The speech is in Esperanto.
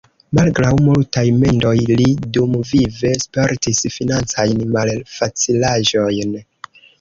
Malgraŭ multaj mendoj li dumvive spertis financajn malfacilaĵojn.